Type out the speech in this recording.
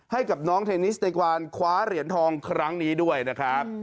ให้กับน้องเทนนิสในการคว้าเหรียญทองครั้งนี้ด้วยนะครับ